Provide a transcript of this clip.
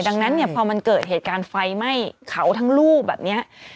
ดังนั้นเนี่ยพอมันเกิดเหตุการณ์ไฟไหม้เขาทั้งลูกแบบนี้